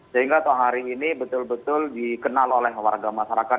sehingga tohari ini betul betul dikenal oleh warga masyarakat